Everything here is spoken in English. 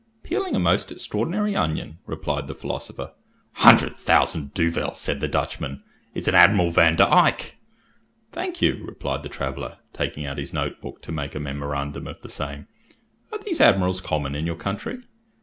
"Peeling a most extraordinary onion," replied the philosopher. "Hundert tausend duyvel!" said the Duchman; "it's an Admiral Van der Eyck." "Thank you," replied the traveller, taking out his note book to make a memorandum of the same; "are these admirals common in your country?"